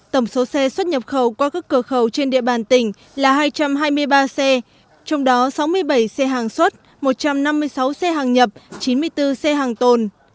tổng số xe xuất nhập khẩu qua các cửa khẩu trên địa bàn tỉnh là hai trăm hai mươi ba xe trong đó sáu mươi bảy xe hàng xuất một trăm năm mươi sáu xe hàng nhập chín mươi bốn xe hàng tồn